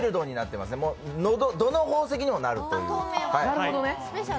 どの宝石にもなるという。